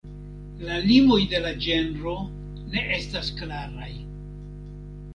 La limoj de la ĝenro ne estas klaraj.